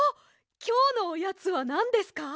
きょうのおやつはなんですか？